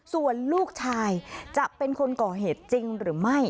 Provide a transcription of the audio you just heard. ส่วนลูกชายจะเป็นคนก่อเหตุจริงหรือไม่